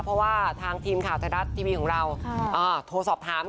เพราะว่าทางทีมข่าว๔๕ของเราโทรสอบถามค่ะ